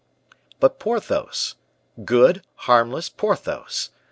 But Porthos, good, harmless Porthos!